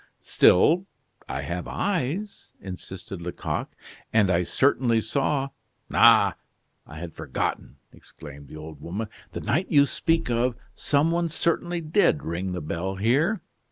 "Still I have eyes," insisted Lecoq, "and I certainly saw " "Ah! I had forgotten," exclaimed the old woman. "The night you speak of some one certainly did ring the bell here.